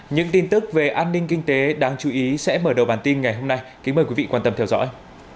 những tin tức về an ninh kinh tế đáng chú ý sẽ mở đầu bản tin ngày hôm nay kính mời quý vị quan tâm theo dõi